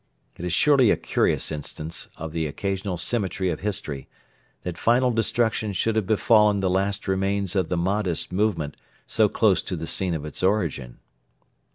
It is surely a curious instance of the occasional symmetry of history that final destruction should have befallen the last remains of the Mahdist movement so close to the scene of its origin!